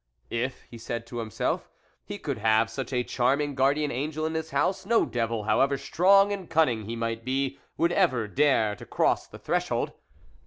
If, he said to himself, he could have such a charming guardian angel in his house, no devil, however strong and cunning he might be, would ever dare to cross the threshold.